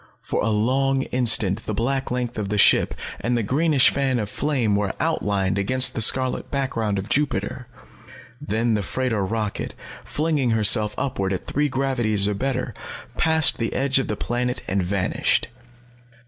For a long instant the black length of the ship, and the greenish fan of flame, were outlined against the scarlet background of Jupiter. Then the freighter rocket, flinging herself upward at three gravities or better, passed the edge of the planet and vanished.